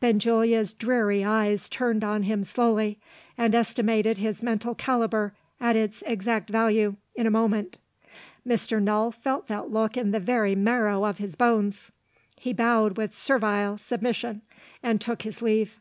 Benjulia's dreary eyes turned on him slowly, and estimated his mental calibre at its exact value, in a moment. Mr. Null felt that look in the very marrow of his bones. He bowed with servile submission, and took his leave.